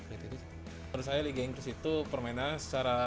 menurut saya liga inggris itu permainan secara